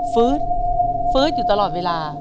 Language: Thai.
ื๊ดฟื๊ดอยู่ตลอดเวลา